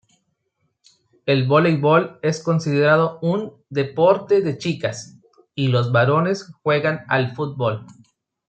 El voleibol es considerado un "deporte de chicas" y los varones juegan al fútbol.